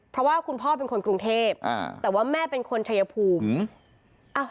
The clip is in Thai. เพราะว่าคุณพ่อเป็นคนกรุงเทพแต่ว่าแม่เป็นคนชายภูมิ